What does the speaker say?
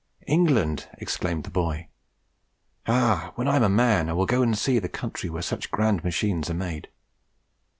"England!" exclaimed the boy, "ah! when I am a man I will go see the country where such grand machines are made!"